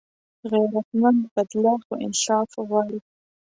غیرتمند بدله خو انصاف غواړي